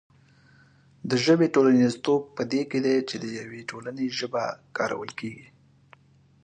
د ژبې ټولنیزتوب په دې کې دی چې د یوې ټولنې ژبه کارول کېږي.